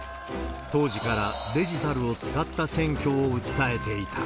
当時からデジタルを使った選挙を訴えていた。